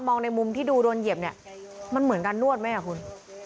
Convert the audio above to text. ในมุมที่ดูโดนเหยียบเนี่ยมันเหมือนการนวดไหมอ่ะคุณ